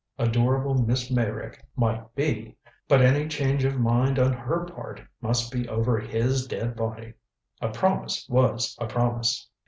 Adorable Miss Meyrick might be, but any change of mind on her part must be over his dead body. A promise was a promise.